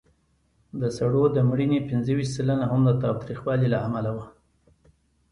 د سړو د مړینې پینځهویشت سلنه هم د تاوتریخوالي له امله وه.